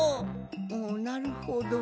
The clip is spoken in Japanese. おなるほど。